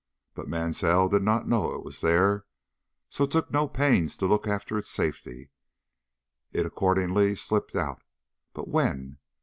But Mansell did not know it was there, so took no pains to look after its safety. It accordingly slipped out; but when?